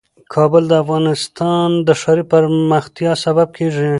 کابل د افغانستان د ښاري پراختیا سبب کېږي.